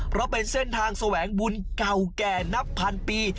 เพราะเป็นเส้นทางแสวงบุญเก่าแก่นับพันปี